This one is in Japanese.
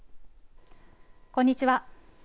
こんにちは。